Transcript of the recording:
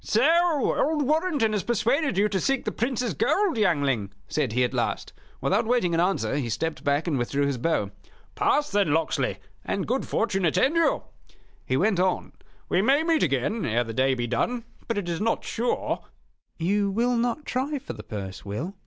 "So old Warrenton has persuaded you to seek the Prince's gold, youngling?" said he, at last. Without waiting an answer, he stepped back and withdrew his bow. "Pass, then, Locksley, and good fortune attend you," he went on. "We may meet again ere the day be done; but it is not sure " "You will not try for the purse, Will?"